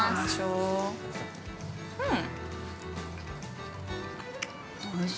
うん！